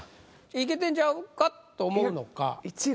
いけてんちゃうか？と思うのか。